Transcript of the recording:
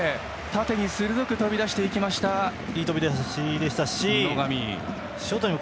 縦に鋭く飛び出していきました、野上。